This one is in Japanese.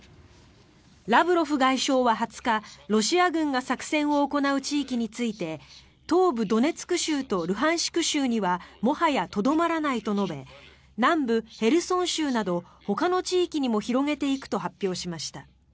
ラブロフ外相は２０日ロシア軍が作戦を行う地域について東部ドネツク州とルハンシク州にはもはやとどまらないと述べ南部ヘルソン州などほかの地域にも広げていくと発表しました。